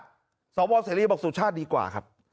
ในสุชาติสวเศรีบอกสุชาติดีกว่าครับ